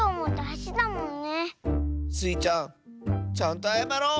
スイちゃんちゃんとあやまろう！